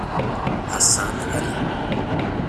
Hassan Ali